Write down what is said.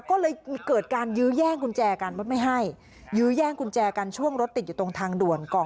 ก็เลยเกิดการยื้อแย่งกุญแจกันว่าไม่ให้ยื้อแย่งกุญแจกันช่วงรถติดอยู่ตรงทางด่วนก่อน